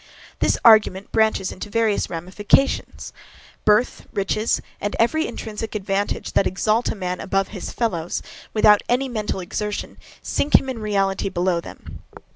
This argument branches into various ramifications. Birth, riches, and every intrinsic advantage that exalt a man above his fellows, without any mental exertion, sink him in reality below them.